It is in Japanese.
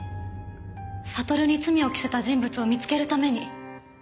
悟に罪を着せた人物を見つけるために。